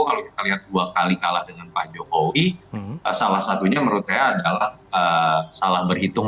kalau kita lihat dua kali kalah dengan pak jokowi salah satunya menurut saya adalah salah berhitung